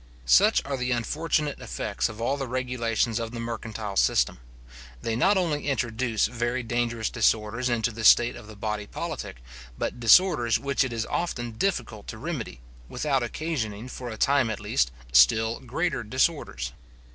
Such are the unfortunate effects of all the regulations of the mercantile system. They not only introduce very dangerous disorders into the state of the body politic, but disorders which it is often difficult to remedy, without occasioning, for a time at least, still greater disorders.